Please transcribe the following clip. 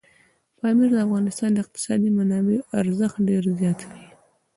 پامیر د افغانستان د اقتصادي منابعو ارزښت ډېر زیاتوي.